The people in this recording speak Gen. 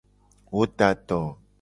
Wo da do.